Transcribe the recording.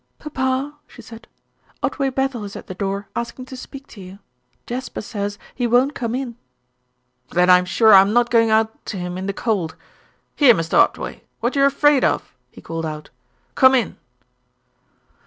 "Papa," she said, "Otway Bethel is at the door asking to speak to you. Jasper says he won't come in." "Then I'm sure I'm not going out to him in the cold. Here, Mr. Otway, what are you afraid of?" he called out. "Come in."